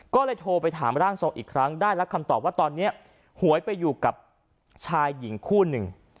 ก็เลยโทรไปถามร่างทรงอีกครั้งได้รับคำตอบว่าตอนนี้หวยไปอยู่กับชายหญิงคู่หนึ่ง